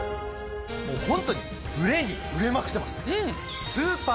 もうホントに売れに売れまくってます。